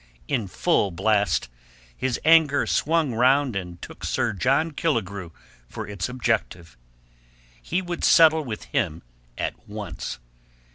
In full blast, his anger swung round and took Sir John Killigrew for its objective. He would settle with him at once.